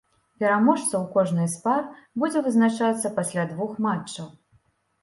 Пераможца ў кожнай з пар будзе вызначацца пасля двух матчаў.